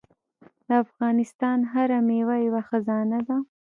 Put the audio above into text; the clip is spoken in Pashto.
د افغانستان هره میوه یوه خزانه ده.